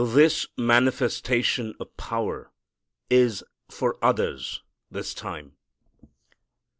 This manifestation of power is for others this time.